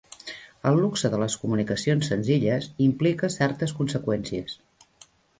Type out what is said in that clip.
El luxe de les comunicacions senzilles implica certes conseqüències.